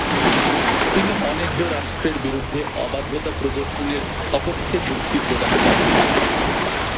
তিনি অন্যায্য রাষ্ট্রের বিরুদ্ধে অবাধ্যতা প্রদর্শনের স্বপক্ষে যুক্তি প্রদান করেন।